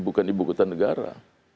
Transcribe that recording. bukan ibu kota negara